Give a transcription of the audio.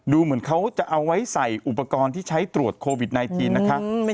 ดูเหมือนเขาจะเอาไว้ใส่อุปกรณ์ที่ใช้ตรวจโควิด๑๙นะคะ